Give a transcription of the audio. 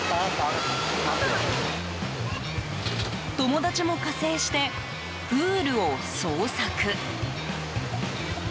友達も加勢してプールを捜索。